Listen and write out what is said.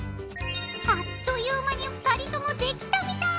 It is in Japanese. あっという間に２人ともできたみたい。